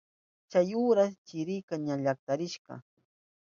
Chay uras chirika ña kallarirka.